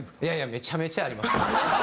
めちゃめちゃあります。